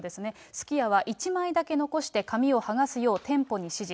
すき家は１枚だけ残して紙を剥がすよう店舗に指示。